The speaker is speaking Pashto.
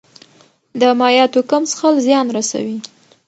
د مایعاتو کم څښل زیان رسوي.